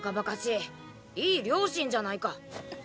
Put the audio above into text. いい両親じゃないか。